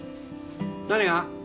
何が？